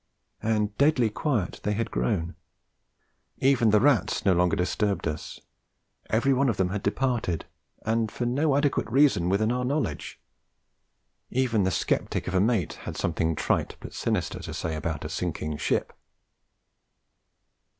And deadly quiet they had grown; even the rats no longer disturbed us; every one of them had departed, and for no adequate reason within our knowledge. Even the sceptic of a mate had something trite but sinister to say about 'a sinking ship.'